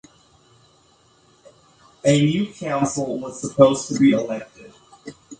A new council was supposed to be elected.